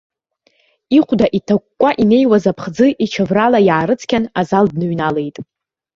Ихәда иҭакәкәа инеиуаз аԥхӡы ичаврала иаарыцқьаны, азал дныҩналеит.